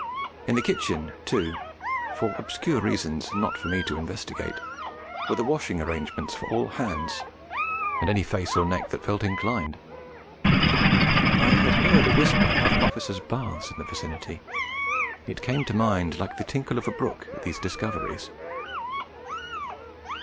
In the kitchen, too, for obscure reasons not for me to investigate, were the washing arrangements for all hands, and any face or neck that felt inclined. I had heard a whisper of Officers' Baths in the vicinity; it came to mind like the tinkle of a brook at these discoveries.